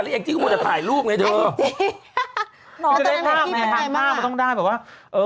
แล้วอย่างจิ๊มคงไม่ได้ถ่ายลูกเนี้ยเธอ